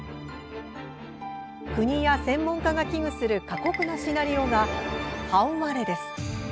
国や専門家が危惧する過酷なシナリオが「半割れ」です。